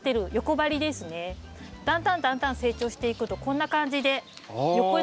だんだんだんだん成長していくとこんな感じで横に。